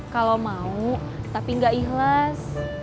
kalau mau tapi nggak ikhlas